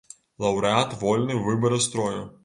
Лаўрэат вольны ў выбары строю.